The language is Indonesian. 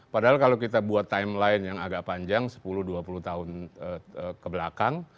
padahal kalau kita buat timeline yang agak panjang sepuluh dua puluh tahun kebelakang